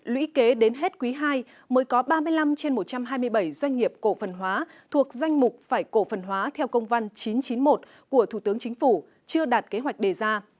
lũy kế đến hết quý ii mới có ba mươi năm trên một trăm hai mươi bảy doanh nghiệp cổ phần hóa thuộc danh mục phải cổ phần hóa theo công văn chín trăm chín mươi một của thủ tướng chính phủ chưa đạt kế hoạch đề ra